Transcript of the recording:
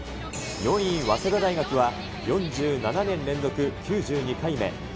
４位、早稲田大学は４７年連続９２回目。